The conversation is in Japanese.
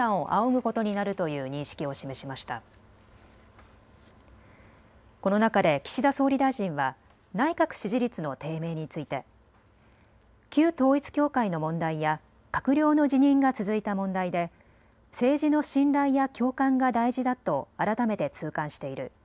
この中で岸田総理大臣は内閣支持率の低迷について旧統一教会の問題や閣僚の辞任が続いた問題で政治の信頼や共感が大事だと改めて痛感している。